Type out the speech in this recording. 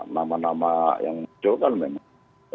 nama nama yang muncul kan memang